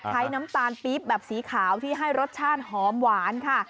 น้ำตาลปี๊บแบบสีขาวที่ให้รสชาติหอมหวานค่ะ